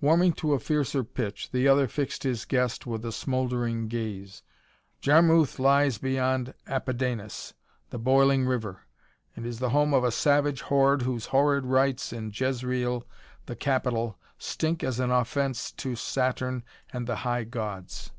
Warming to a fiercer pitch, the other fixed his guest with a smoldering gaze. "Jarmuth lies beyond Apidanus, the boiling river, and is the home of a savage horde whose horrid rites in Jezreel, the capital, stink as an offense to Saturn and the High Gods!